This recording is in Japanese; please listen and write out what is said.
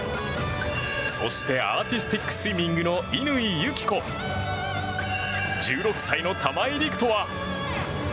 そしてアーティスティックスイミングの乾友紀子１６歳の玉井陸斗は。